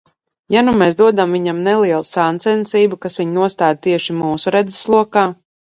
Ja nu mēs dodam viņam nelielu sacensību, kas viņu nostāda tieši mūsu redzeslokā?